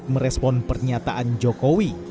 berikut merespon pernyataan jokowi